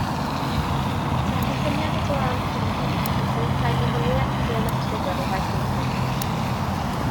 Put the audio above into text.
Mae'r cysyniad o blân cymhlyg yn caniatáu dehongliad geometrig o rifau cymhlyg.